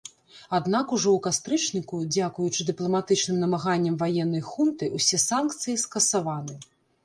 Аднак ужо у кастрычніку, дзякуючы дыпламатычным намаганням ваеннай хунты, усе санкцыі скасаваны.